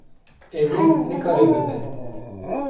Ev yek nikare bibe.